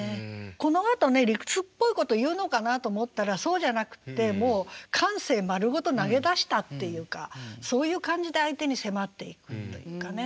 このあとね理屈っぽいこと言うのかなと思ったらそうじゃなくてもう感性丸ごと投げ出したっていうかそういう感じで相手に迫っていくというかね。